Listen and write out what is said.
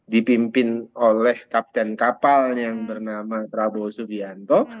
dipimpin oleh kapten kapal yang bernama prabowo subianto